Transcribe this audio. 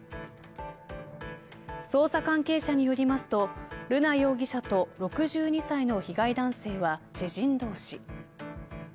捜査関係者によりますと瑠奈容疑者と６２歳の被害男性は知人同士。